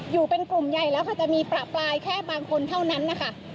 อยู่เป็นกลุ่มใหญ่แล้วค่ะจะมีประปรายแค่บางคนเท่านั้นนะคะ